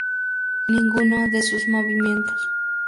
Ninguno de sus movimientos.